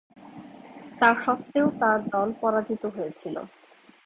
তা স্বত্ত্বেও তার দল পরাজিত হয়েছিল।